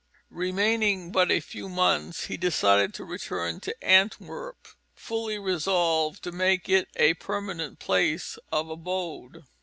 Remaining but a few months, he decided to return to Antwerp, fully resolved to make it a permanent place of abode.